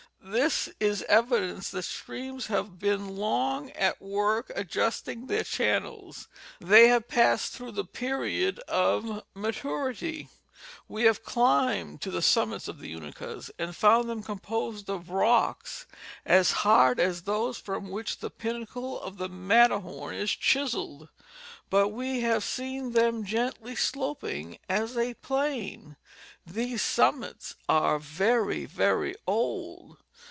This is evidence that streams have been long at work adjusting their channels, they have passed through the period of maturity. We have climbed to the summits of the Unakas and found them composed of rocks as hard as those from which the pinnacle of the Matterhorn is chiseled ; but we see them gently sloping, as. a plain. These summits are very, very old.